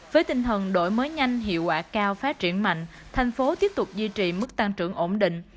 với tinh thần đổi mới nhanh hiệu quả cao phát triển mạnh thành phố tiếp tục duy trì mức tăng trưởng ổn định